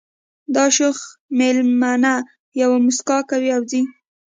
دا شوخه مېلمنه یوه مسکا کوي او ځي